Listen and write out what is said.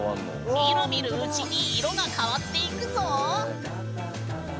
みるみるうちに色が変わっていくぞ！